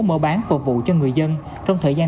mở bán phục vụ cho người dân trong thời gian